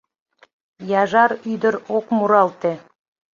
Яжар ӱдыр ок муралте